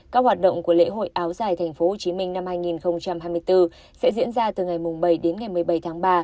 các hoạt động của lễ hội áo giải tp hcm năm hai nghìn hai mươi bốn sẽ diễn ra từ ngày bảy đến ngày một mươi bảy tháng ba